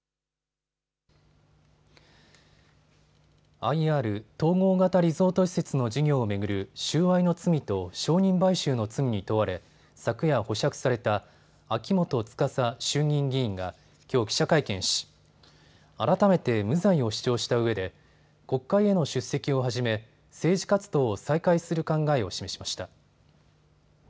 ＩＲ・統合型リゾート施設の事業を巡る収賄の罪と証人買収の罪に問われ昨夜保釈された秋元司衆議院議員がきょう記者会見し改めて無罪を主張したうえで国会への出席をはじめ政治活動を再開する考えを示しました。